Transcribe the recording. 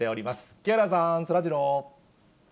木原さん、そらジロー。